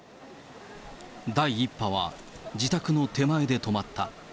第１波は自宅の手前で止まった。